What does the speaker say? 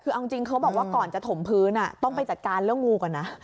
คือเอาจริงเขาบอกว่าก่อนจะถมพื้นต้องไปจัดการเรื่องงูก่อนนะ